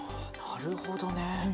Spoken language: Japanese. なるほどね。